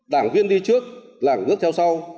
đảng viên đi trước làng bước theo sau